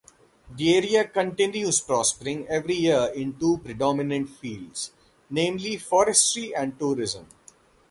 The area continues prospering every year in two predominant fields, namely forestry and tourism.